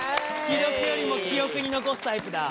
記録よりも記憶に残すタイプだ。